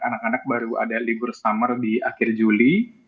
anak anak baru ada libur summer di akhir juli